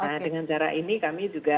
nah dengan cara ini kami juga